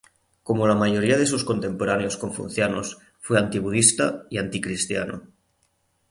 Como la mayoría de sus contemporáneos confucianos, fue anti budista y anti cristiano.